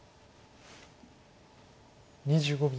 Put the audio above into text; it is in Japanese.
２５秒。